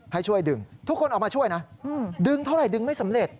ให้ช่วยดึงทุกคนออกมาช่วยนะดึงเท่าไหร่ดึงไม่สำเร็จ